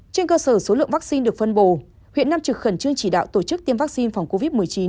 trên cơ sở số lượng vaccine được phân bổ huyện nam trực khẩn trương chỉ đạo tổ chức tiêm vaccine phòng covid một mươi chín